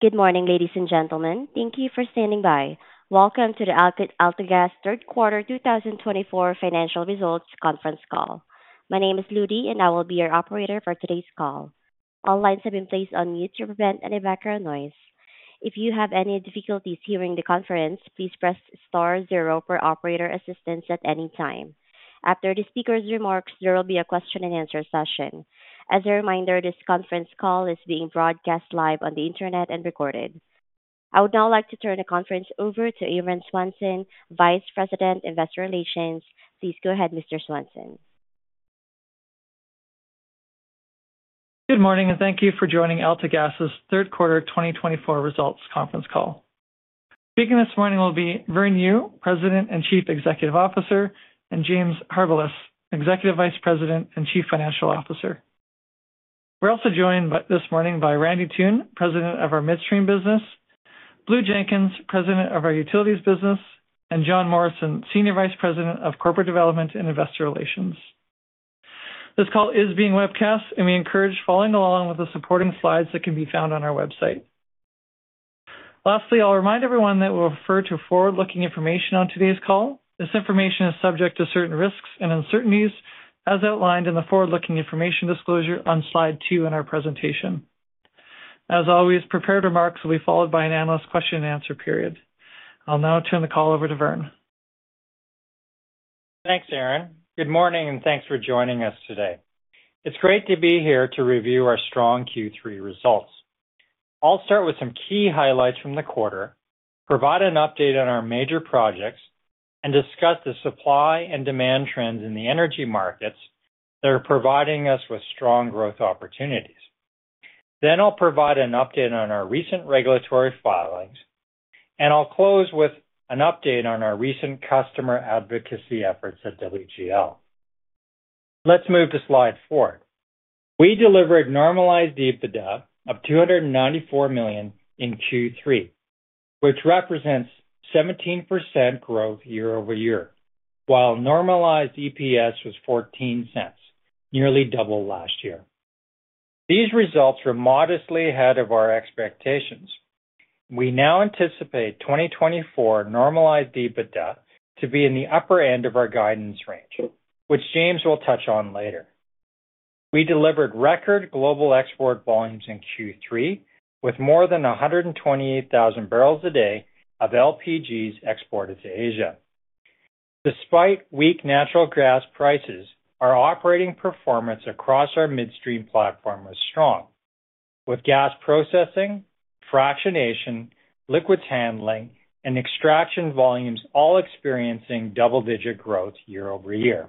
Good morning, ladies and gentlemen. Thank you for standing by. Welcome to the AltaGas third quarter 2024 financial results conference call. My name is Ludi, and I will be your operator for today's call. All lines have been placed on mute to prevent any background noise. If you have any difficulties hearing the conference, please press star zero for operator assistance at any time. After the speaker's remarks, there will be a question-and-answer session. As a reminder, this conference call is being broadcast live on the Internet and recorded. I would now like to turn the conference over to Aaron Swanson, Vice President, Investor Relations. Please go ahead, Mr. Swanson. Good morning, and thank you for joining AltaGas' third quarter 2024 results conference call. Speaking this morning will be Vern Yu, President and Chief Executive Officer, and James Harbilas, Executive Vice President and Chief Financial Officer. We're also joined this morning by Randy Toone, President of our Midstream business, Blue Jenkins, President of our Utilities business, and Jon Morrison, Senior Vice President of Corporate Development and Investor Relations. This call is being webcast, and we encourage following along with the supporting slides that can be found on our website. Lastly, I'll remind everyone that we'll refer to forward-looking information on today's call. This information is subject to certain risks and uncertainties, as outlined in the forward-looking information disclosure on slide two in our presentation. As always, prepared remarks will be followed by an analyst question-and-answer period. I'll now turn the call over to Vern. Thanks, Aaron. Good morning, and thanks for joining us today. It's great to be here to review our strong Q3 results. I'll start with some key highlights from the quarter, provide an update on our major projects, and discuss the supply and demand trends in the energy markets that are providing us with strong growth opportunities. Then I'll provide an update on our recent regulatory filings, and I'll close with an update on our recent customer advocacy efforts at WGL. Let's move to slide four. We delivered normalized EBITDA of 294 million in Q3, which represents 17% growth year-over-year, while normalized EPS was 0.14, nearly double last year. These results were modestly ahead of our expectations. We now anticipate 2024 normalized EBITDA to be in the upper end of our guidance range, which James will touch on later. We delivered record global export volumes in Q3, with more than 128,000 barrels a day of LPGs exported to Asia. Despite weak natural gas prices, our operating performance across our midstream platform was strong, with gas processing, fractionation, liquids handling, and extraction volumes all experiencing double-digit growth year-over-year.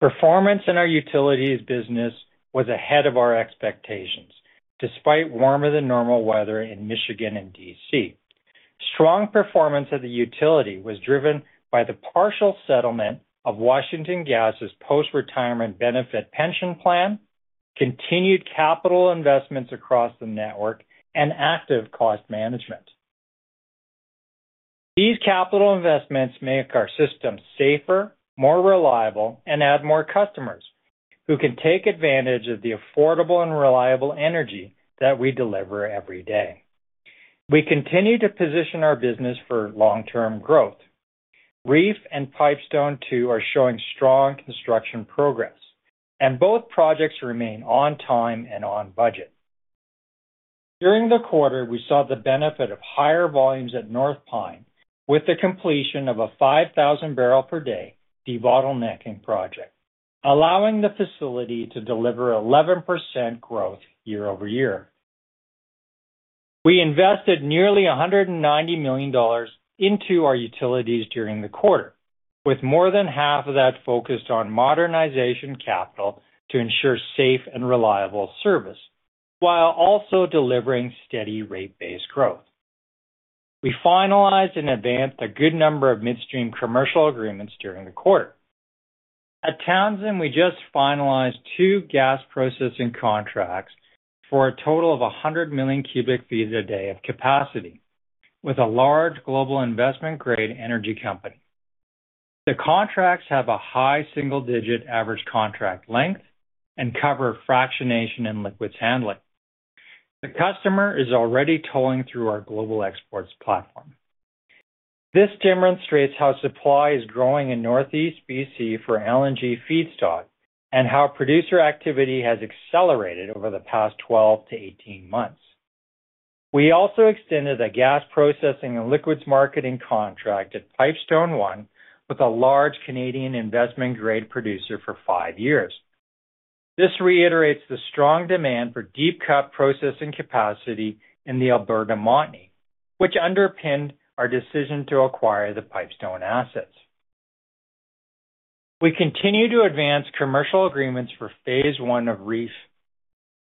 Performance in our utilities business was ahead of our expectations, despite warmer-than-normal weather in Michigan and D.C. Strong performance at the utility was driven by the partial settlement of Washington Gas's post-retirement benefit pension plan, continued capital investments across the network, and active cost management. These capital investments make our system safer, more reliable, and add more customers who can take advantage of the affordable and reliable energy that we deliver every day. We continue to position our business for long-term growth. REEF and Pipestone II are showing strong construction progress, and both projects remain on time and on budget. During the quarter, we saw the benefit of higher volumes at North Pine with the completion of a 5,000-barrel-per-day debottlenecking project, allowing the facility to deliver 11% growth year-over-year. We invested nearly 190 million dollars into our utilities during the quarter, with more than half of that focused on modernization capital to ensure safe and reliable service, while also delivering steady rate-based growth. We finalized and advanced a good number of midstream commercial agreements during the quarter. At Townsend, we just finalized two gas processing contracts for a total of 100 million cubic feet a day of capacity with a large global investment-grade energy company. The contracts have a high single-digit average contract length and cover fractionation and liquids handling. The customer is already tolling through our global exports platform. This demonstrates how supply is growing in Northeast B.C. for LNG feedstock and how producer activity has accelerated over the past 12-18 months. We also extended a gas processing and liquids marketing contract at Pipestone I with a large Canadian investment-grade producer for five years. This reiterates the strong demand for deep-cut processing capacity in the Alberta Montney, which underpinned our decision to acquire the Pipestone assets. We continue to advance commercial agreements for phase I of REEF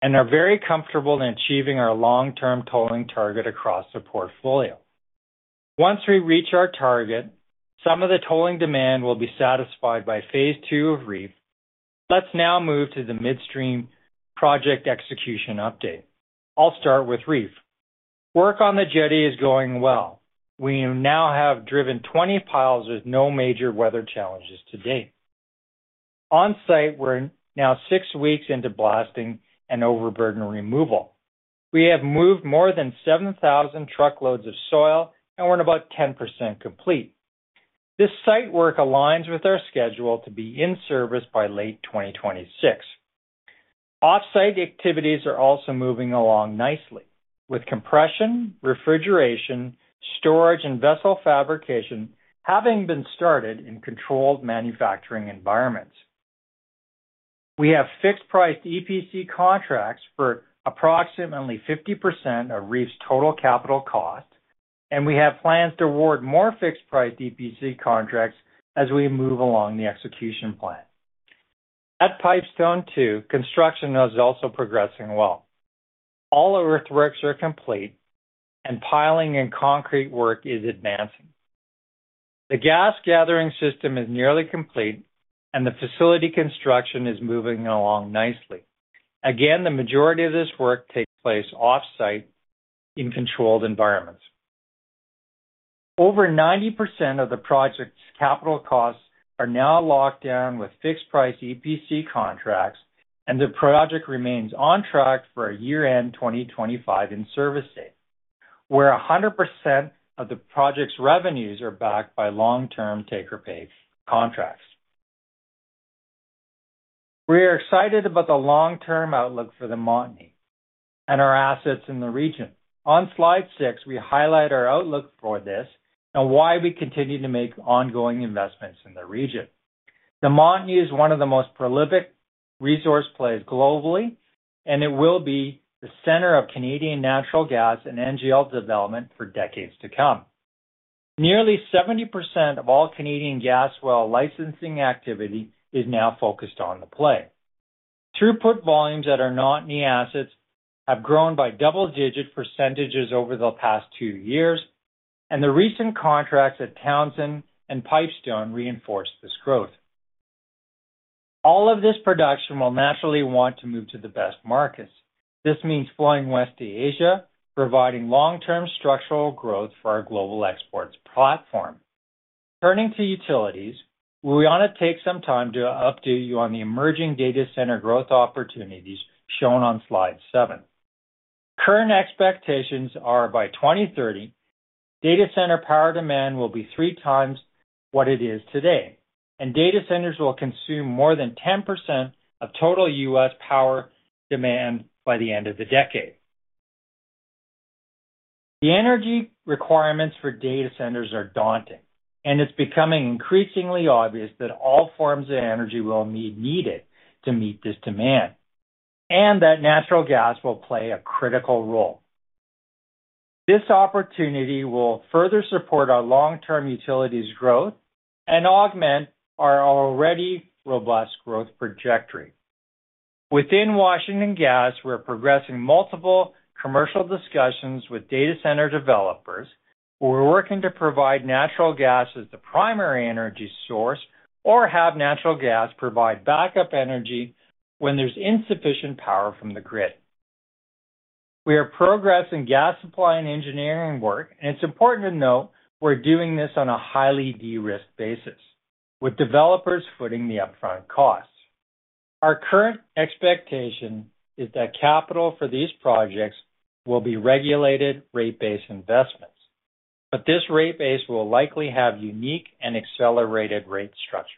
and are very comfortable in achieving our long-term tolling target across the portfolio. Once we reach our target, some of the tolling demand will be satisfied by phase II of REEF. Let's now move to the midstream project execution update. I'll start with REEF. Work on the jetty is going well. We now have driven 20 piles with no major weather challenges to date. On site, we're now six weeks into blasting and overburden removal. We have moved more than 7,000 truckloads of soil and we're about 10% complete. This site work aligns with our schedule to be in service by late 2026. Off-site activities are also moving along nicely, with compression, refrigeration, storage, and vessel fabrication having been started in controlled manufacturing environments. We have fixed-priced EPC contracts for approximately 50% of REEF's total capital cost, and we have plans to award more fixed-priced EPC contracts as we move along the execution plan. At Pipestone II, construction is also progressing well. All earthworks are complete, and piling and concrete work is advancing. The gas gathering system is nearly complete, and the facility construction is moving along nicely. Again, the majority of this work takes place off-site in controlled environments. Over 90% of the project's capital costs are now locked down with fixed-priced EPC contracts, and the project remains on track for a year-end 2025 in-service date, where 100% of the project's revenues are backed by long-term take-or-pay contracts. We are excited about the long-term outlook for the Montney and our assets in the region. On slide six, we highlight our outlook for this and why we continue to make ongoing investments in the region. The Montney is one of the most prolific resource plays globally, and it will be the center of Canadian natural gas and NGL development for decades to come. Nearly 70% of all Canadian gas well licensing activity is now focused on the play. Throughput volumes at our Montney assets have grown by double-digit percentages over the past two years, and the recent contracts at Townsend and Pipestone reinforce this growth. All of this production will naturally want to move to the best markets. This means flowing west to Asia, providing long-term structural growth for our global exports platform. Turning to utilities, we want to take some time to update you on the emerging data center growth opportunities shown on slide seven. Current expectations are by 2030, data center power demand will be three times what it is today, and data centers will consume more than 10% of total U.S. power demand by the end of the decade. The energy requirements for data centers are daunting, and it's becoming increasingly obvious that all forms of energy will be needed to meet this demand, and that natural gas will play a critical role. This opportunity will further support our long-term utilities growth and augment our already robust growth trajectory. Within Washington Gas, we're progressing multiple commercial discussions with data center developers. We're working to provide natural gas as the primary energy source or have natural gas provide backup energy when there's insufficient power from the grid. We are progressing gas supply and engineering work, and it's important to note we're doing this on a highly de-risked basis, with developers footing the upfront costs. Our current expectation is that capital for these projects will be regulated rate-based investments, but this rate base will likely have unique and accelerated rate structures.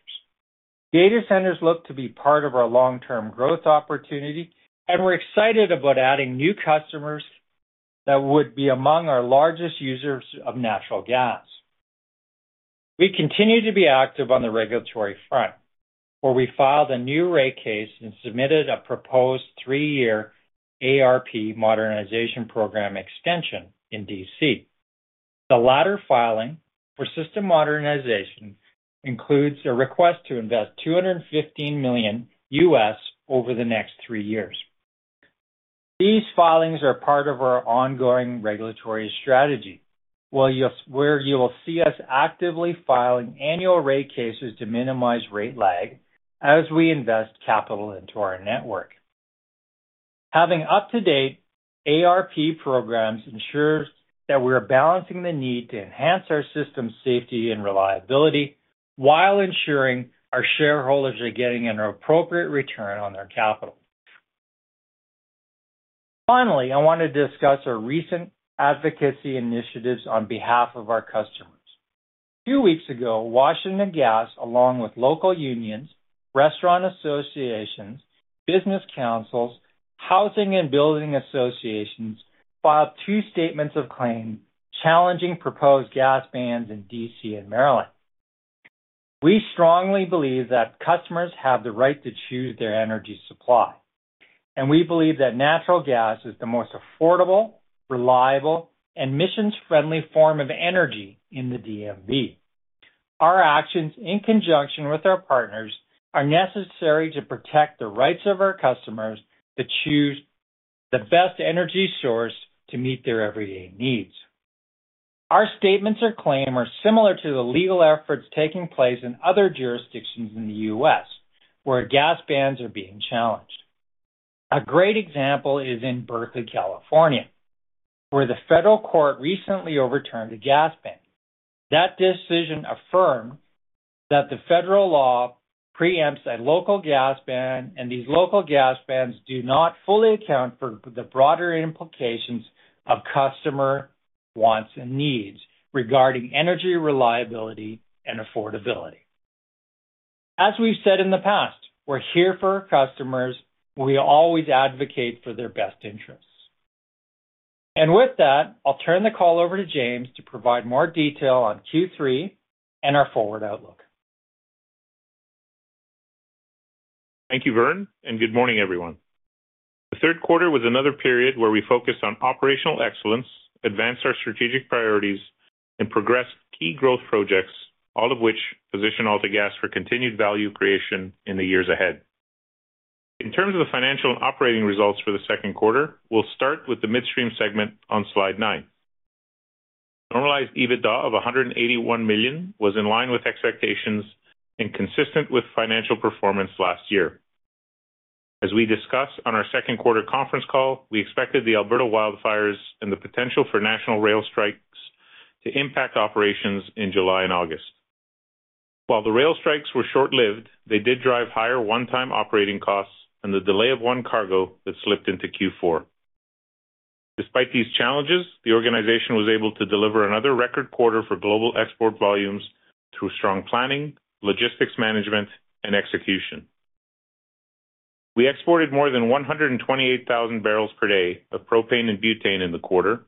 Data centers look to be part of our long-term growth opportunity, and we're excited about adding new customers that would be among our largest users of natural gas. We continue to be active on the regulatory front, where we filed a new rate case and submitted a proposed three-year ARP modernization program extension in D.C. The latter filing for system modernization includes a request to invest $215 million. Over the next three years. These filings are part of our ongoing regulatory strategy, where you will see us actively filing annual rate cases to minimize rate lag as we invest capital into our network. Having up-to-date ARP programs ensures that we're balancing the need to enhance our system's safety and reliability while ensuring our shareholders are getting an appropriate return on their capital. Finally, I want to discuss our recent advocacy initiatives on behalf of our customers. Two weeks ago, Washington Gas, along with local unions, restaurant associations, business councils, housing and building associations, filed two statements of claim challenging proposed gas bans in D.C. and Maryland. We strongly believe that customers have the right to choose their energy supply, and we believe that natural gas is the most affordable, reliable, and emissions-friendly form of energy in the DMV. Our actions, in conjunction with our partners, are necessary to protect the rights of our customers to choose the best energy source to meet their everyday needs. Our statements of claim are similar to the legal efforts taking place in other jurisdictions in the U.S., where gas bans are being challenged. A great example is in Berkeley, California, where the federal court recently overturned a gas ban. That decision affirmed that the federal law preempts a local gas ban, and these local gas bans do not fully account for the broader implications of customer wants and needs regarding energy reliability and affordability. As we've said in the past, we're here for our customers. We always advocate for their best interests. And with that, I'll turn the call over to James to provide more detail on Q3 and our forward outlook. Thank you, Vern, and good morning, everyone. The third quarter was another period where we focused on operational excellence, advanced our strategic priorities, and progressed key growth projects, all of which position AltaGas for continued value creation in the years ahead. In terms of the financial and operating results for the second quarter, we'll start with the midstream segment on slide nine. Normalized EBITDA of 181 million was in line with expectations and consistent with financial performance last year. As we discussed on our second quarter conference call, we expected the Alberta wildfires and the potential for national rail strikes to impact operations in July and August. While the rail strikes were short-lived, they did drive higher one-time operating costs and the delay of one cargo that slipped into Q4. Despite these challenges, the organization was able to deliver another record quarter for global export volumes through strong planning, logistics management, and execution. We exported more than 128,000 barrels per day of propane and butane in the quarter,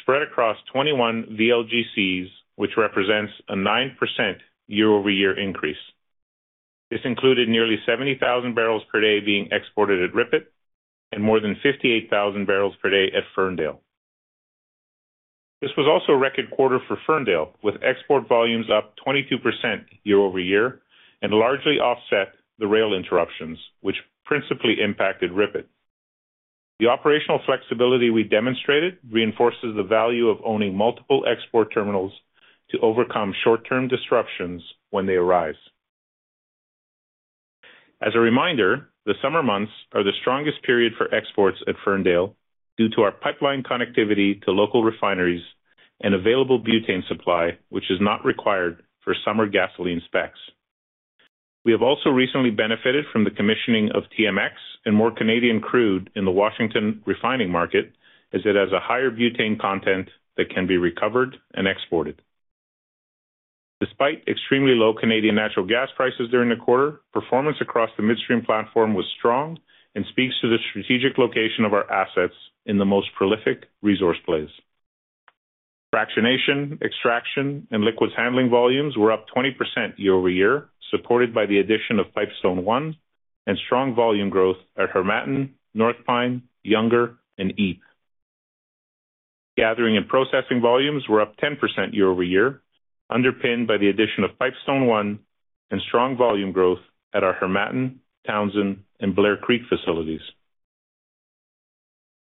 spread across 21 VLGCs, which represents a 9% year-over-year increase. This included nearly 70,000 barrels per day being exported at RIPET and more than 58,000 barrels per day at Ferndale. This was also a record quarter for Ferndale, with export volumes up 22% year-over-year and largely offset the rail interruptions, which principally impacted RIPET. The operational flexibility we demonstrated reinforces the value of owning multiple export terminals to overcome short-term disruptions when they arise. As a reminder, the summer months are the strongest period for exports at Ferndale due to our pipeline connectivity to local refineries and available butane supply, which is not required for summer gasoline specs. We have also recently benefited from the commissioning of TMX and more Canadian crude in the Washington refining market, as it has a higher butane content that can be recovered and exported. Despite extremely low Canadian natural gas prices during the quarter, performance across the midstream platform was strong and speaks to the strategic location of our assets in the most prolific resource plays. Fractionation, extraction, and liquids handling volumes were up 20% year-over-year, supported by the addition of Pipestone I and strong volume growth at Harmattan, North Pine, Younger, and EEEP. Gathering and processing volumes were up 10% year-over-year, underpinned by the addition of Pipestone I and strong volume growth at our Harmattan, Townsend, and Blair Creek facilities.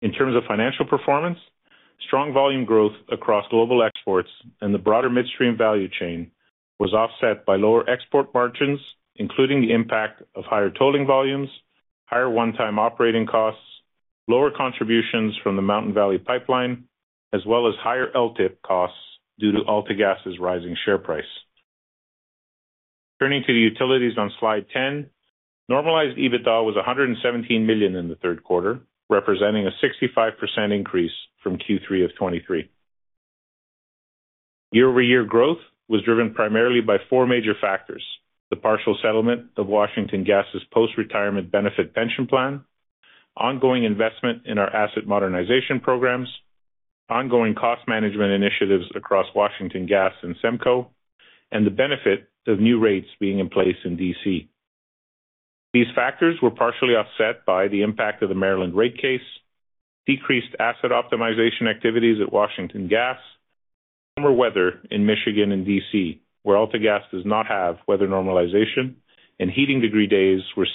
In terms of financial performance, strong volume growth across global exports and the broader midstream value chain was offset by lower export margins, including the impact of higher tolling volumes, higher one-time operating costs, lower contributions from the Mountain Valley Pipeline, as well as higher LTIP costs due to AltaGas's rising share price. Turning to the utilities on slide 10, normalized EBITDA was 117 million in the third quarter, representing a 65% increase from Q3 of 2023. Year-over-year growth was driven primarily by four major factors: the partial settlement of Washington Gas's post-retirement benefit pension plan, ongoing investment in our asset modernization programs, ongoing cost management initiatives across Washington Gas and SEMCO, and the benefit of new rates being in place in D.C. These factors were partially offset by the impact of the Maryland rate case, decreased asset optimization activities at Washington Gas, and summer weather in Michigan and D.C., where AltaGas does not have weather normalization, and heating degree days were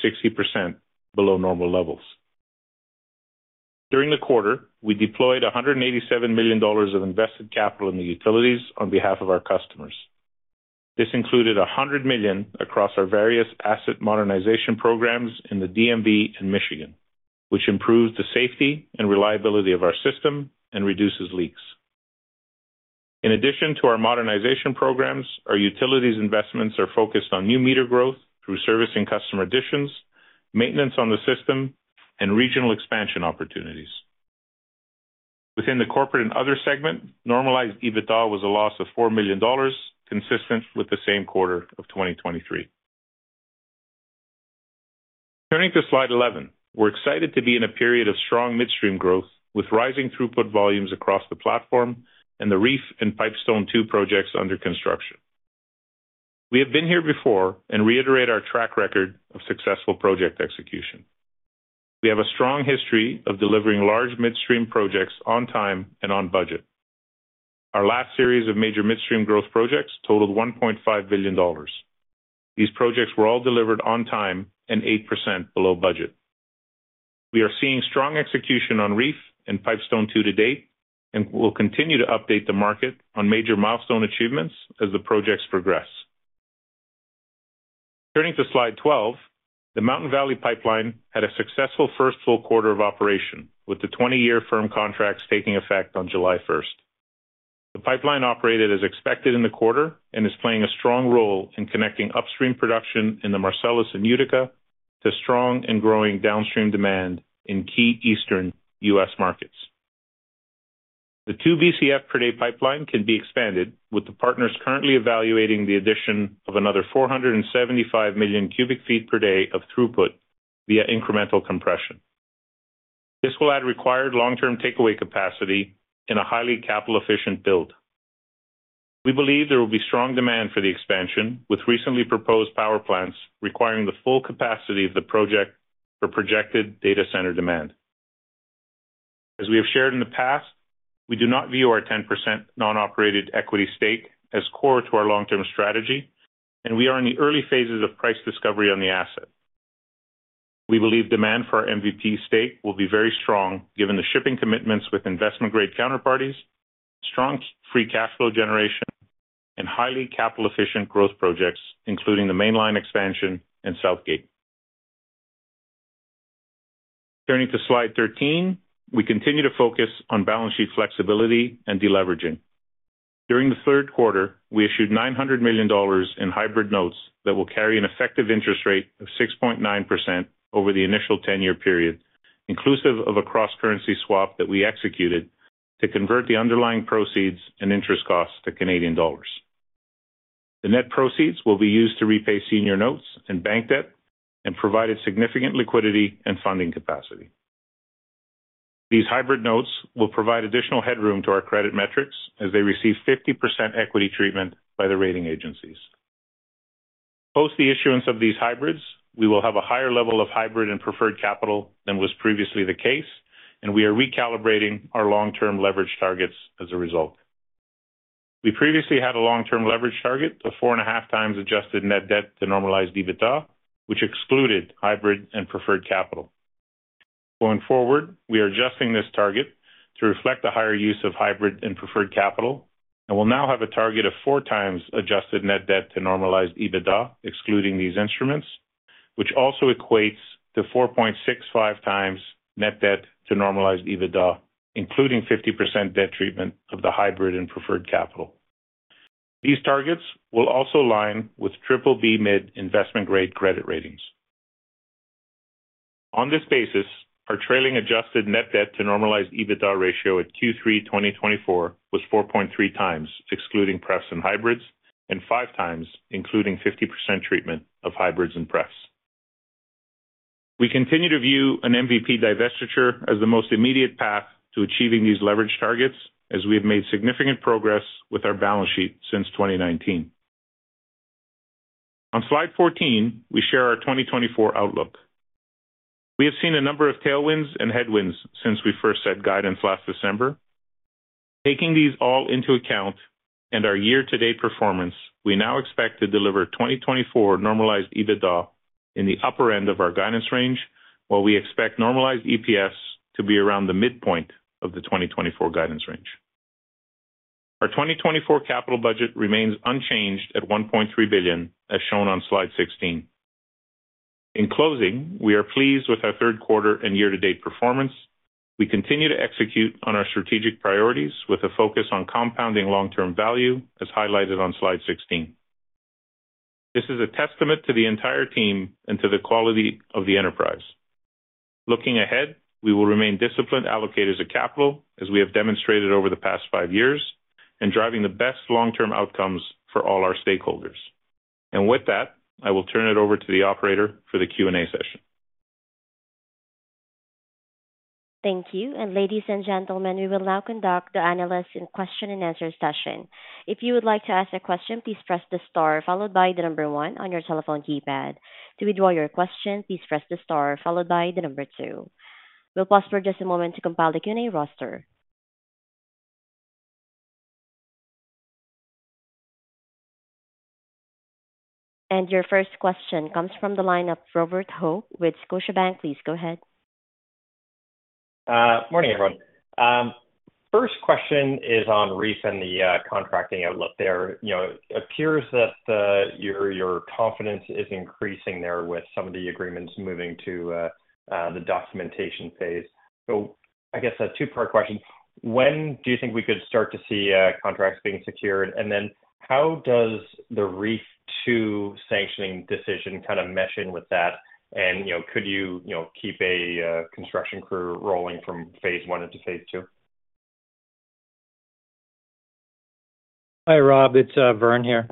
60% below normal levels. During the quarter, we deployed 187 million dollars of invested capital in the utilities on behalf of our customers. This included 100 million across our various asset modernization programs in the DMV and Michigan, which improves the safety and reliability of our system and reduces leaks. In addition to our modernization programs, our utilities investments are focused on new meter growth through service and customer additions, maintenance on the system, and regional expansion opportunities. Within the Corporate and Other segment, normalized EBITDA was a loss of 4 million dollars, consistent with the same quarter of 2023. Turning to slide 11, we're excited to be in a period of strong midstream growth with rising throughput volumes across the platform and the REEF and Pipestone II projects under construction. We have been here before and reiterate our track record of successful project execution. We have a strong history of delivering large midstream projects on time and on budget. Our last series of major midstream growth projects totaled 1.5 billion dollars. These projects were all delivered on time and 8% below budget. We are seeing strong execution on REEF and Pipestone II to date and will continue to update the market on major milestone achievements as the projects progress. Turning to slide 12, the Mountain Valley Pipeline had a successful first full quarter of operation, with the 20-year firm contracts taking effect on July 1st. The pipeline operated as expected in the quarter and is playing a strong role in connecting upstream production in the Marcellus and Utica to strong and growing downstream demand in key Eastern U.S. markets. The two Bcf per day pipeline can be expanded, with the partners currently evaluating the addition of another 475 million cubic feet per day of throughput via incremental compression. This will add required long-term takeaway capacity in a highly capital-efficient build. We believe there will be strong demand for the expansion, with recently proposed power plants requiring the full capacity of the project for projected data center demand. As we have shared in the past, we do not view our 10% non-operated equity stake as core to our long-term strategy, and we are in the early phases of price discovery on the asset. We believe demand for our MVP stake will be very strong given the shipping commitments with investment-grade counterparties, strong free cash flow generation, and highly capital-efficient growth projects, including the mainline expansion and Southgate. Turning to slide 13, we continue to focus on balance sheet flexibility and deleveraging. During the third quarter, we issued 900 million dollars in hybrid notes that will carry an effective interest rate of 6.9% over the initial 10-year period, inclusive of a cross-currency swap that we executed to convert the underlying proceeds and interest costs to Canadian dollars. The net proceeds will be used to repay senior notes and bank debt and provided significant liquidity and funding capacity. These hybrid notes will provide additional headroom to our credit metrics as they receive 50% equity treatment by the rating agencies. Post the issuance of these hybrids, we will have a higher level of hybrid and preferred capital than was previously the case, and we are recalibrating our long-term leverage targets as a result. We previously had a long-term leverage target of four and a half times adjusted net debt to normalized EBITDA, which excluded hybrid and preferred capital. Going forward, we are adjusting this target to reflect a higher use of hybrid and preferred capital, and we'll now have a target of four times adjusted net debt to normalized EBITDA, excluding these instruments, which also equates to 4.65 times net debt to normalized EBITDA, including 50% debt treatment of the hybrid and preferred capital. These targets will also align with BBB mid investment-grade credit ratings. On this basis, our trailing adjusted net debt to normalized EBITDA ratio at Q3 2024 was 4.3 times, excluding prefs and hybrids, and 5 times, including 50% treatment of hybrids and prefs. We continue to view an MVP divestiture as the most immediate path to achieving these leverage targets, as we have made significant progress with our balance sheet since 2019. On slide 14, we share our 2024 outlook. We have seen a number of tailwinds and headwinds since we first set guidance last December. Taking these all into account and our year-to-date performance, we now expect to deliver 2024 normalized EBITDA in the upper end of our guidance range, while we expect normalized EPS to be around the midpoint of the 2024 guidance range. Our 2024 capital budget remains unchanged at 1.3 billion, as shown on slide 16. In closing, we are pleased with our third quarter and year-to-date performance. We continue to execute on our strategic priorities with a focus on compounding long-term value, as highlighted on slide 16. This is a testament to the entire team and to the quality of the enterprise. Looking ahead, we will remain disciplined allocators of capital, as we have demonstrated over the past five years, and driving the best long-term outcomes for all our stakeholders. And with that, I will turn it over to the operator for the Q&A session. Thank you, and ladies and gentlemen, we will now conduct the analysts' question-and-answer session. If you would like to ask a question, please press the star followed by the number one on your telephone keypad. To withdraw your question, please press the star followed by the number two. We'll pause for just a moment to compile the Q&A roster. Your first question comes from the line of Robert Hope with Scotiabank. Please go ahead. Good morning, everyone. First question is on REEF and the contracting outlook there. It appears that your confidence is increasing there with some of the agreements moving to the documentation phase. I guess a two-part question. When do you think we could start to see contracts being secured? And then how does the REEF II sanctioning decision kind of mesh in with that? And could you keep a construction crew rolling from phase I into phase II? Hi, Rob. It's Vern here.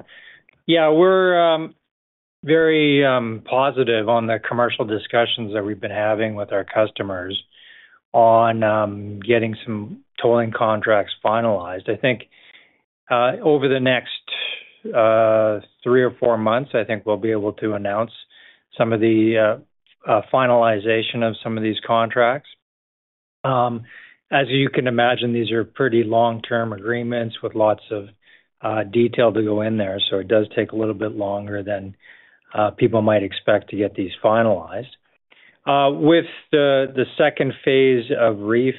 Yeah, we're very positive on the commercial discussions that we've been having with our customers on getting some tolling contracts finalized. I think over the next three or four months, I think we'll be able to announce some of the finalization of some of these contracts. As you can imagine, these are pretty long-term agreements with lots of detail to go in there. So it does take a little bit longer than people might expect to get these finalized. With the second phase of REEF,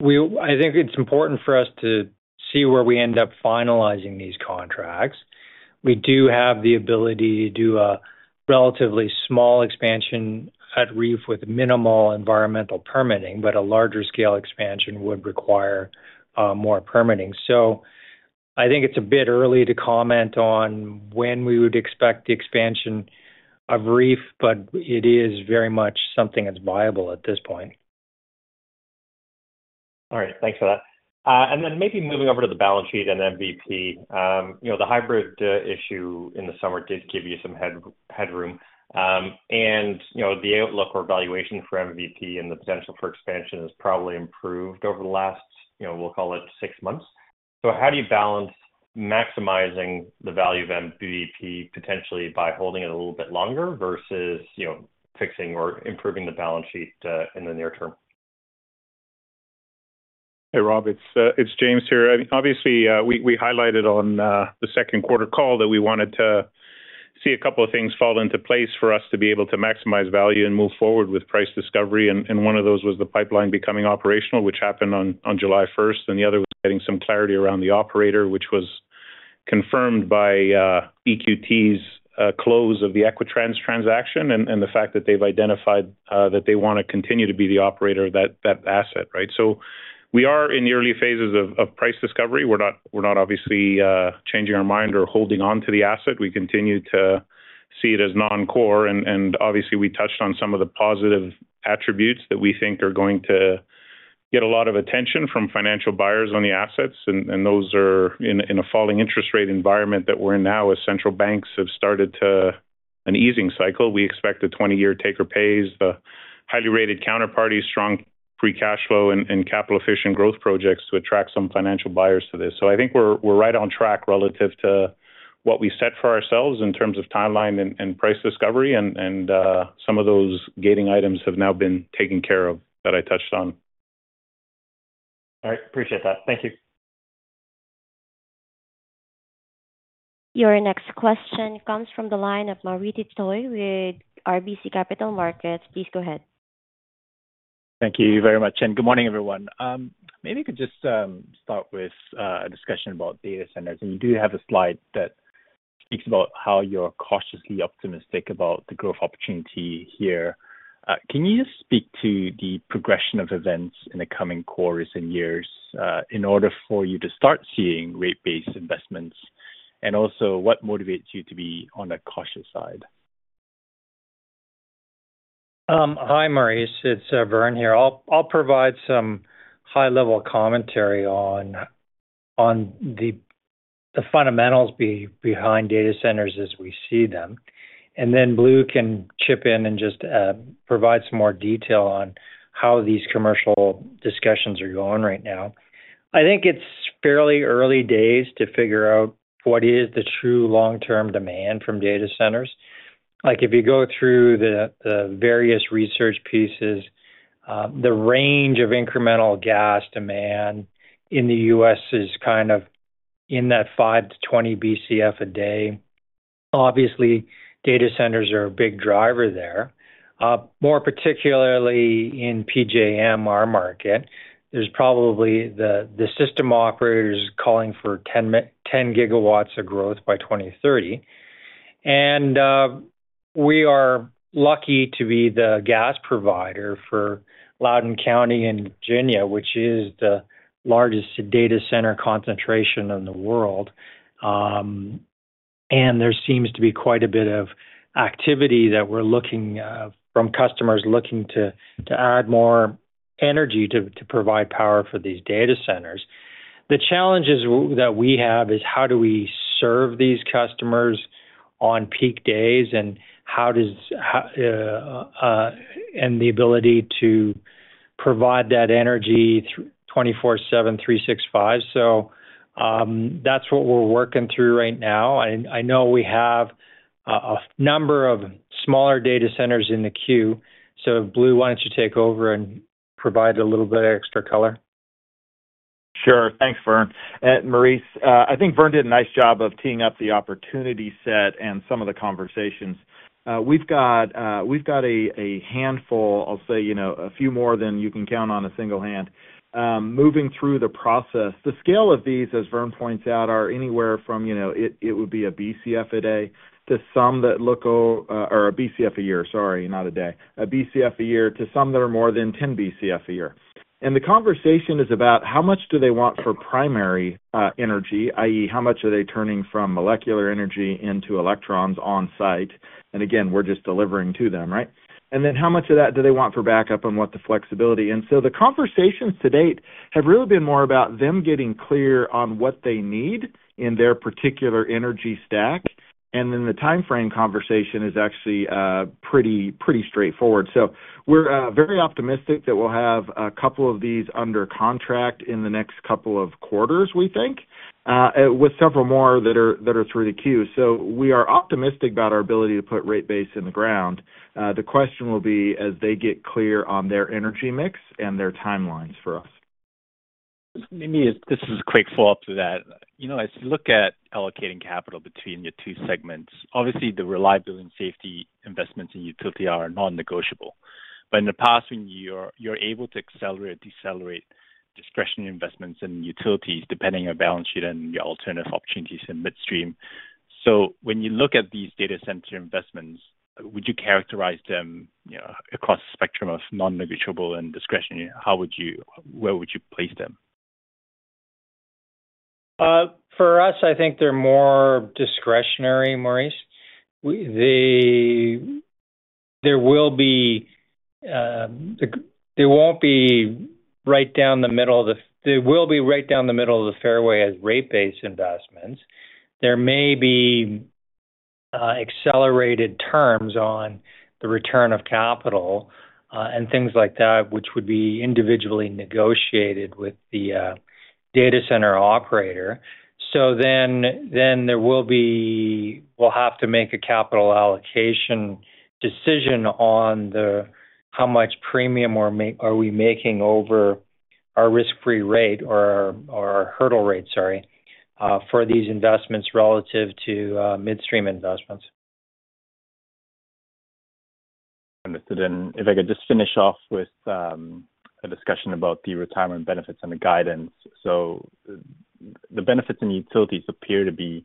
I think it's important for us to see where we end up finalizing these contracts. We do have the ability to do a relatively small expansion at REEF with minimal environmental permitting, but a larger scale expansion would require more permitting. So I think it's a bit early to comment on when we would expect the expansion of REEF, but it is very much something that's viable at this point. All right. Thanks for that, and then maybe moving over to the balance sheet and MVP. The hybrid issue in the summer did give you some headroom. And the outlook or valuation for MVP and the potential for expansion has probably improved over the last, we'll call it, six months. So how do you balance maximizing the value of MVP potentially by holding it a little bit longer versus fixing or improving the balance sheet in the near term? Hey, Rob. It's James here. Obviously, we highlighted on the second quarter call that we wanted to see a couple of things fall into place for us to be able to maximize value and move forward with price discovery. And one of those was the pipeline becoming operational, which happened on July 1st. And the other was getting some clarity around the operator, which was confirmed by EQT's close of the Equitrans transaction and the fact that they've identified that they want to continue to be the operator of that asset. So we are in the early phases of price discovery. We're not obviously changing our mind or holding on to the asset. We continue to see it as non-core. And obviously, we touched on some of the positive attributes that we think are going to get a lot of attention from financial buyers on the assets. And those are in a falling interest rate environment that we're in now as central banks have started an easing cycle. We expect a 20-year take-or-pays, the highly rated counterparties, strong free cash flow, and capital-efficient growth projects to attract some financial buyers to this. So I think we're right on track relative to what we set for ourselves in terms of timeline and price discovery. And some of those gating items have now been taken care of that I touched on. All right. Appreciate that. Thank you. Your next question comes from the line of Maurice Choy with RBC Capital Markets. Please go ahead. Thank you very much. And good morning, everyone. Maybe we could just start with a discussion about data centers. And you do have a slide that speaks about how you're cautiously optimistic about the growth opportunity here. Can you just speak to the progression of events in the coming quarters and years in order for you to start seeing rate-based investments? And also, what motivates you to be on the cautious side? Hi, Maurice. It's Vern here. I'll provide some high-level commentary on the fundamentals behind data centers as we see them. And then Blue can chip in and just provide some more detail on how these commercial discussions are going right now. I think it's fairly early days to figure out what is the true long-term demand from data centers. If you go through the various research pieces, the range of incremental gas demand in the U.S. is kind of in that 5-20 Bcf a day. Obviously, data centers are a big driver there. More particularly in PJM, our market, there's probably the system operators calling for 10 GW of growth by 2030. And we are lucky to be the gas provider for Loudoun County in Virginia, which is the largest data center concentration in the world. And there seems to be quite a bit of activity that we're looking from customers looking to add more energy to provide power for these data centers. The challenges that we have is how do we serve these customers on peak days and the ability to provide that energy 24/7, 365. So that's what we're working through right now. I know we have a number of smaller data centers in the queue. So if Blue wanted to take over and provide a little bit of extra color. Sure. Thanks, Vern. Maurice, I think Vern did a nice job of teeing up the opportunity set and some of the conversations. We've got a handful, I'll say a few more than you can count on a single hand, moving through the process. The scale of these, as Vern points out, are anywhere from it would be a Bcf a day to some that look or a Bcf a year. Sorry, not a day. A Bcf a year to some that are more than 10 Bcf a year. And the conversation is about how much do they want for primary energy, i.e., how much are they turning from molecular energy into electrons on-site? And again, we're just delivering to them, right? And then how much of that do they want for backup and what the flexibility? And so the conversations to date have really been more about them getting clear on what they need in their particular energy stack. And then the timeframe conversation is actually pretty straightforward. So we're very optimistic that we'll have a couple of these under contract in the next couple of quarters, we think, with several more that are through the queue. So we are optimistic about our ability to put rate base in the ground. The question will be as they get clear on their energy mix and their timelines for us. Maybe this is a quick follow-up to that. As you look at allocating capital between your two segments, obviously, the reliability and safety investments in utility are non-negotiable. But in the past, when you're able to accelerate or decelerate discretionary investments in utilities, depending on your balance sheet and your alternative opportunities in midstream. So when you look at these data center investments, would you characterize them across the spectrum of non-negotiable and discretionary? Where would you place them? For us, I think they're more discretionary, Maurice. There will be right down the middle of the fairway as rate-based investments. There may be accelerated terms on the return of capital and things like that, which would be individually negotiated with the data center operator. So then we'll have to make a capital allocation decision on how much premium are we making over our risk-free rate or our hurdle rate, sorry, for these investments relative to midstream investments. Understood. If I could just finish off with a discussion about the retirement benefits and the guidance. So the benefits in utilities appear to be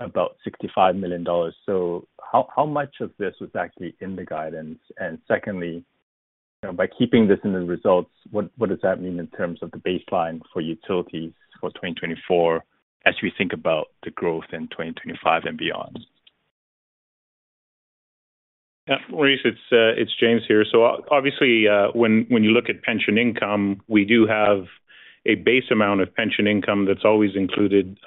about 65 million dollars. So how much of this was actually in the guidance? And secondly, by keeping this in the results, what does that mean in terms of the baseline for utilities for 2024 as we think about the growth in 2025 and beyond? Yeah. Maurice, it's James here. So obviously, when you look at pension income, we do have a base amount of pension income that's always included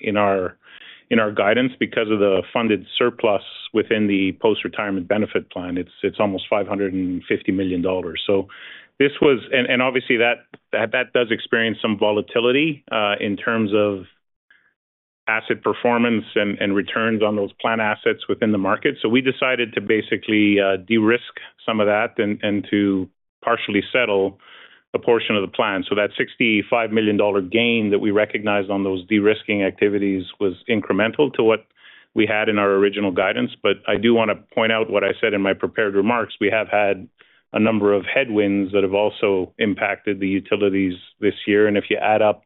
in our guidance because of the funded surplus within the post-retirement benefit plan. It's almost 550 million dollars. And obviously, that does experience some volatility in terms of asset performance and returns on those plan assets within the market. So we decided to basically de-risk some of that and to partially settle a portion of the plan. So that 65 million dollar gain that we recognized on those de-risking activities was incremental to what we had in our original guidance. But I do want to point out what I said in my prepared remarks. We have had a number of headwinds that have also impacted the utilities this year. And if you add up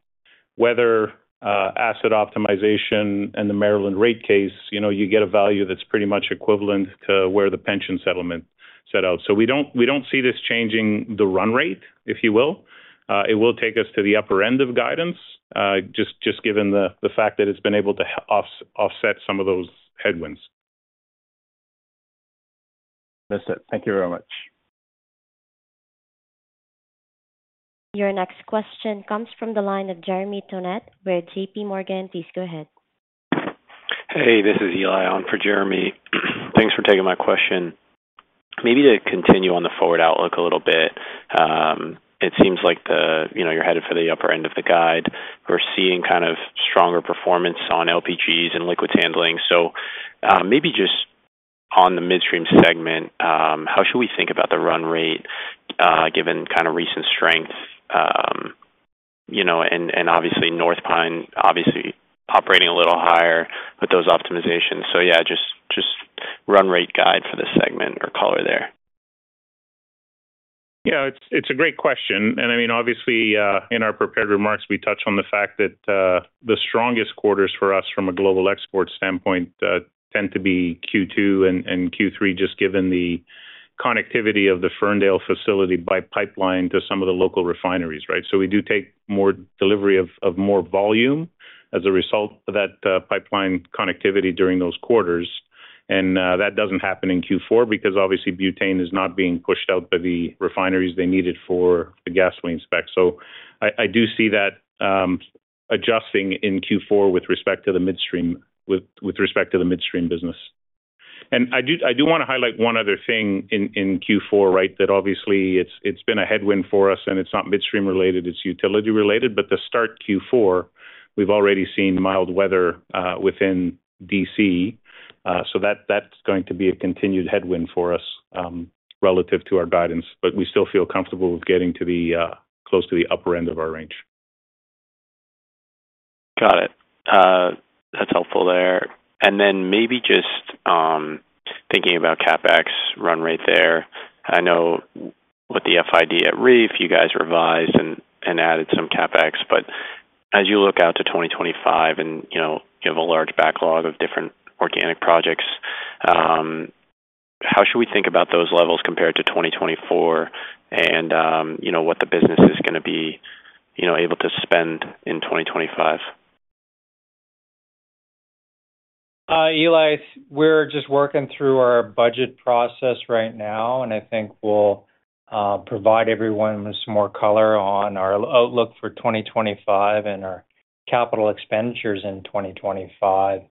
weather, asset optimization, and the Maryland rate case, you get a value that's pretty much equivalent to where the pension settlement set out. So we don't see this changing the run rate, if you will. It will take us to the upper end of guidance, just given the fact that it's been able to offset some of those headwinds. Understood. Thank you very much. Your next question comes from the line of Jeremy Tonet with J.P. Morgan. Please go ahead. Hey, this is Eli on for Jeremy. Thanks for taking my question. Maybe to continue on the forward outlook a little bit, it seems like you're headed for the upper end of the guide. We're seeing kind of stronger performance on LPGs and liquid handling. So maybe just on the midstream segment, how should we think about the run rate given kind of recent strength? And obviously, North Pine, obviously, operating a little higher with those optimizations. So yeah, just run rate guide for the segment or color there. Yeah, it's a great question. And I mean, obviously, in our prepared remarks, we touch on the fact that the strongest quarters for us from a global export standpoint tend to be Q2 and Q3, just given the connectivity of the Ferndale facility by pipeline to some of the local refineries, right? So we do take more delivery of more volume as a result of that pipeline connectivity during those quarters. And that doesn't happen in Q4 because, obviously, butane is not being pushed out by the refineries they needed for the gasoline spec. So I do see that adjusting in Q4 with respect to the midstream business. And I do want to highlight one other thing in Q4, right, that obviously, it's been a headwind for us, and it's not midstream related. It's utility related. But to start Q4, we've already seen mild weather within D.C. So that's going to be a continued headwind for us relative to our guidance, but we still feel comfortable with getting close to the upper end of our range. Got it. That's helpful there. And then maybe just thinking about CapEx run rate there. I know with the FID at REEF, you guys revised and added some CapEx. But as you look out to 2025 and you have a large backlog of different organic projects, how should we think about those levels compared to 2024 and what the business is going to be able to spend in 2025? Eli, we're just working through our budget process right now. And I think we'll provide everyone with some more color on our outlook for 2025 and our capital expenditures in 2025,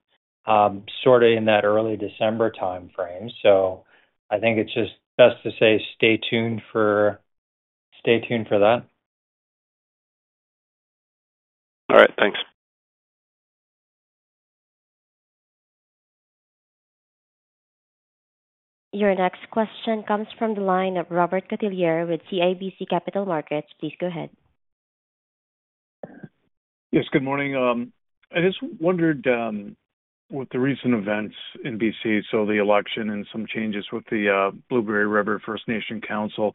sort of in that early December timeframe. So I think it's just best to say stay tuned for that. All right. Thanks. Your next question comes from the line of Robert Catellier with CIBC Capital Markets. Please go ahead. Yes, good morning. I just wondered with the recent events in B.C., so the election and some changes with the Blueberry River First Nation Council,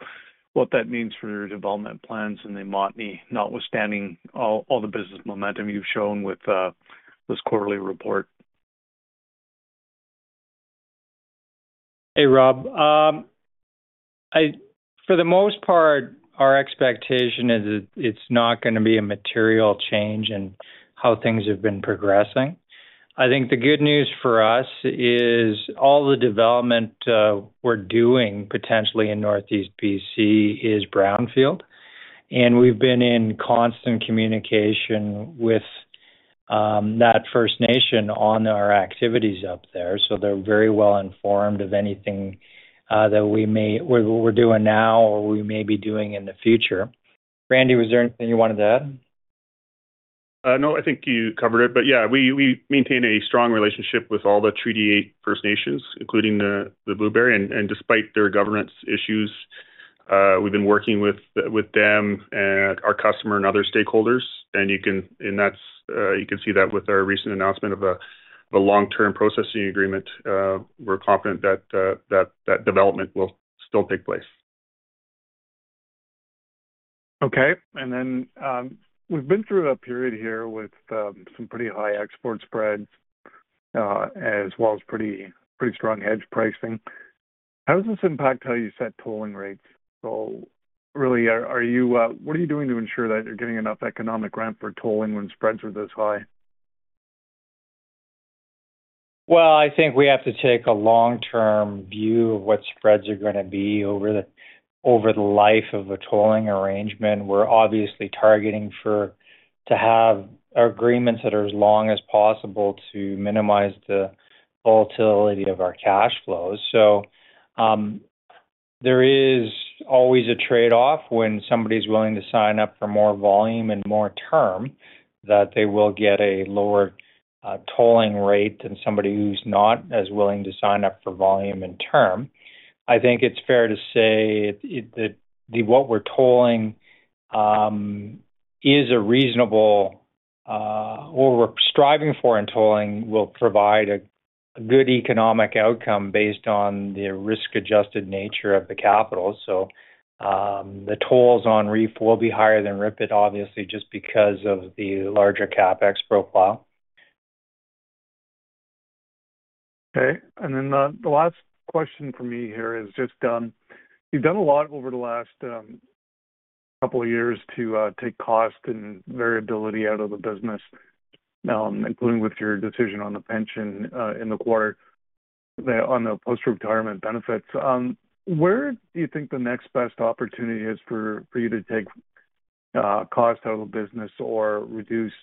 what that means for your development plans and the Montney, notwithstanding all the business momentum you've shown with this quarterly report. Hey, Rob. For the most part, our expectation is it's not going to be a material change in how things have been progressing. I think the good news for us is all the development we're doing potentially in Northeast B.C. is brownfield. And we've been in constant communication with that First Nation on our activities up there. So they're very well informed of anything that we may be doing now or we may be doing in the future. Randy, was there anything you wanted to add? No, I think you covered it. But yeah, we maintain a strong relationship with all the Treaty 8 First Nations, including the Blueberry. And despite their governance issues, we've been working with them and our customer and other stakeholders. And you can see that with our recent announcement of a long-term processing agreement. We're confident that that development will still take place. Okay. And then we've been through a period here with some pretty high export spreads as well as pretty strong hedge pricing. How does this impact how you set tolling rates? So really, what are you doing to ensure that you're getting enough economic rent for tolling when spreads are this high? Well, I think we have to take a long-term view of what spreads are going to be over the life of a tolling arrangement. We're obviously targeting to have agreements that are as long as possible to minimize the volatility of our cash flows. So there is always a trade-off when somebody's willing to sign up for more volume and more term that they will get a lower tolling rate than somebody who's not as willing to sign up for volume and term. I think it's fair to say that what we're tolling is a reasonable or we're striving for in tolling will provide a good economic outcome based on the risk-adjusted nature of the capital. So the tolls on REEF will be higher than RIPET, obviously, just because of the larger CapEx profile. Okay. And then the last question for me here is just you've done a lot over the last couple of years to take cost and variability out of the business, including with your decision on the pension in the quarter on the post-retirement benefits. Where do you think the next best opportunity is for you to take cost out of the business or reduce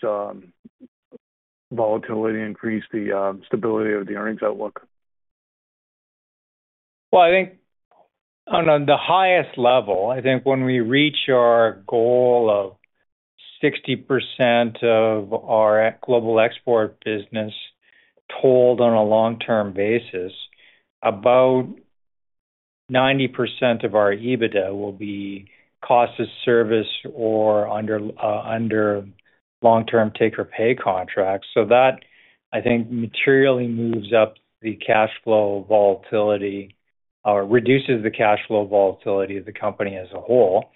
volatility, increase the stability of the earnings outlook? Well, I think on the highest level, I think when we reach our goal of 60% of our global export business tolled on a long-term basis, about 90% of our EBITDA will be cost of service or under long-term take-or-pay contracts. So that, I think, materially moves up the cash flow volatility or reduces the cash flow volatility of the company as a whole.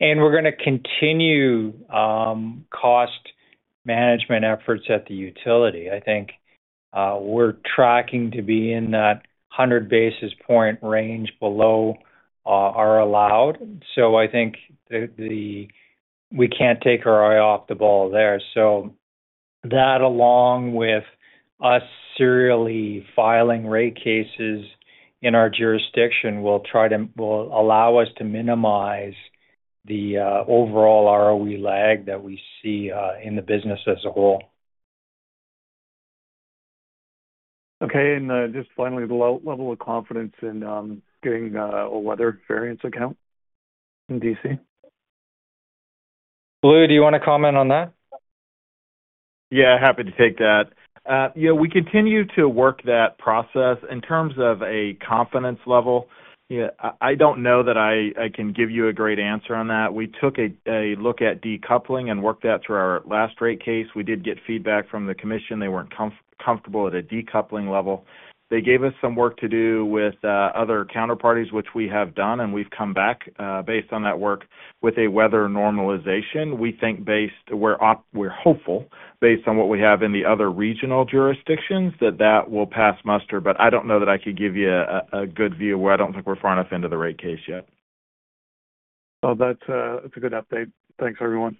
And we're going to continue cost management efforts at the utility. I think we're tracking to be in that 100 basis points range below our allowed. So I think we can't take our eye off the ball there. So that, along with us serially filing rate cases in our jurisdiction, will allow us to minimize the overall ROE lag that we see in the business as a whole. Okay. And just finally, the level of confidence in getting a weather variance account in D.C.? Blue, do you want to comment on that? Yeah, happy to take that. Yeah, we continue to work that process. In terms of a confidence level, I don't know that I can give you a great answer on that. We took a look at decoupling and worked that through our last rate case. We did get feedback from the commission. They weren't comfortable at a decoupling level. They gave us some work to do with other counterparties, which we have done, and we've come back based on that work with a weather normalization. We think, based, we're hopeful, based on what we have in the other regional jurisdictions, that that will pass muster. But I don't know that I could give you a good view of where I don't think we're far enough into the rate case yet. So that's a good update. Thanks, everyone.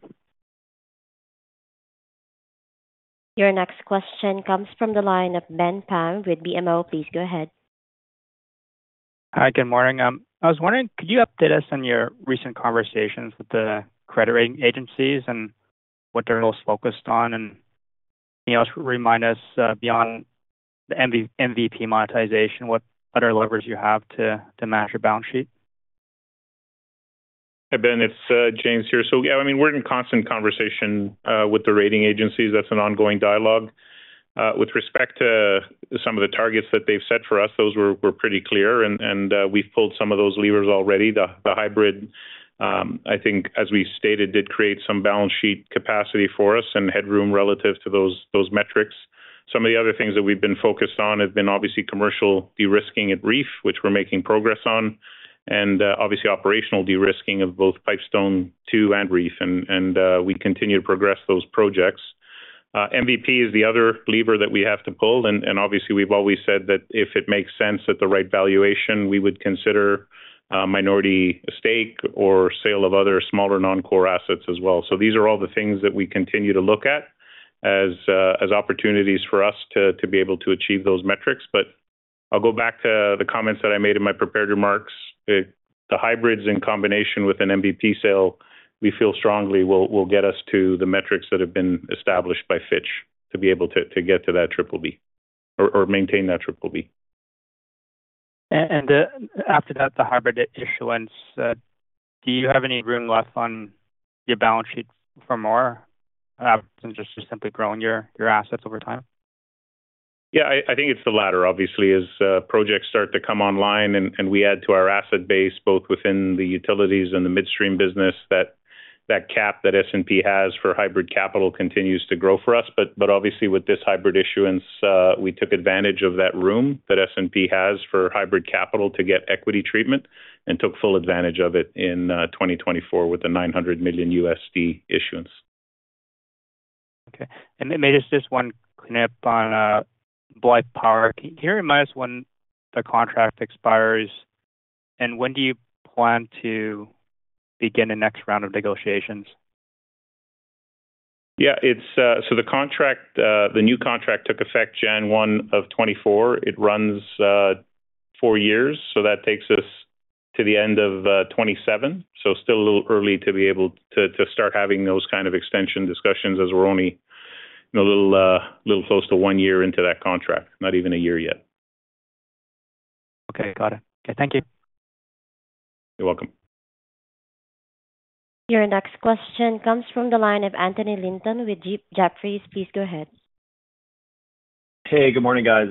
Your next question comes from the line of Ben Pham with BMO. Please go ahead. Hi, good morning. I was wondering, could you update us on your recent conversations with the credit rating agencies and what they're most focused on? And can you also remind us, beyond the MVP monetization, what other levers you have to match your balance sheet? Hey, Ben, it's James here. So yeah, I mean, we're in constant conversation with the rating agencies. That's an ongoing dialogue. With respect to some of the targets that they've set for us, those were pretty clear. And we've pulled some of those levers already. The hybrid, I think, as we stated, did create some balance sheet capacity for us and headroom relative to those metrics. Some of the other things that we've been focused on have been, obviously, commercial de-risking at REEF, which we're making progress on, and obviously, operational de-risking of both Pipestone II and REEF. And we continue to progress those projects. MVP is the other lever that we have to pull. And obviously, we've always said that if it makes sense at the right valuation, we would consider minority stake or sale of other smaller non-core assets as well. So these are all the things that we continue to look at as opportunities for us to be able to achieve those metrics. But I'll go back to the comments that I made in my prepared remarks. The hybrids in combination with an MVP sale, we feel strongly will get us to the metrics that have been established by Fitch to be able to get to that triple B or maintain that triple B. And after that, the hybrid issuance, do you have any room left on your balance sheet for more than just simply growing your assets over time? Yeah, I think it's the latter, obviously, as projects start to come online and we add to our asset base, both within the utilities and the midstream business, that cap that S&P has for hybrid capital continues to grow for us. But obviously, with this hybrid issuance, we took advantage of that room that S&P has for hybrid capital to get equity treatment and took full advantage of it in 2024 with a $900 million issuance. Okay. And maybe just one cleanup on Blythe power. Can you remind us when the contract expires? And when do you plan to begin the next round of negotiations? Yeah. So the new contract took effect January 1 of 2024. It runs four years. So that takes us to the end of 2027. So still a little early to be able to start having those kind of extension discussions as we're only a little close to one year into that contract, not even a year yet. Okay. Got it. Okay. Thank you. You're welcome. Your next question comes from the line of Anthony Linton with Jefferies. Please go ahead. Hey, good morning, guys.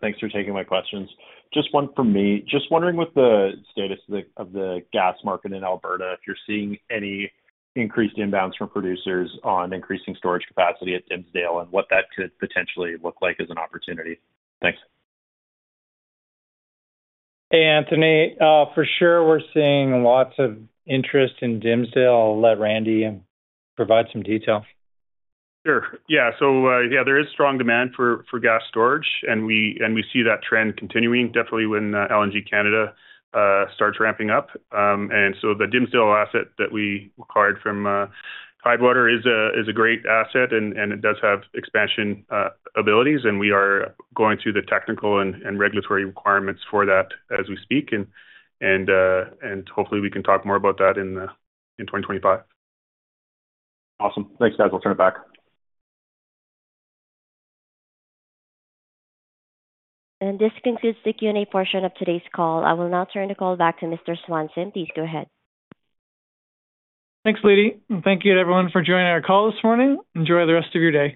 Thanks for taking my questions. Just one for me. Just wondering with the status of the gas market in Alberta, if you're seeing any increased inbounds from producers on increasing storage capacity at Dimsdale and what that could potentially look like as an opportunity. Thanks. Hey, Anthony. For sure, we're seeing lots of interest in Dimsdale. I'll let Randy provide some details. Sure. Yeah. So yeah, there is strong demand for gas storage, and we see that trend continuing, definitely when LNG Canada starts ramping up. And so the Dimsdale asset that we acquired from Tidewater is a great asset, and it does have expansion abilities. And we are going through the technical and regulatory requirements for that as we speak. And hopefully, we can talk more about that in 2025. Awesome. Thanks, guys. I'll turn it back. And this concludes the Q&A portion of today's call. I will now turn the call back to Mr. Swanson. Please go ahead. Thanks, Ludi. And thank you to everyone for joining our call this morning. Enjoy the rest of your day.